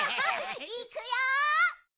いくよ！